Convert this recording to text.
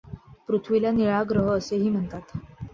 पृथ्वीला निळा ग्रह असेही म्हणतात.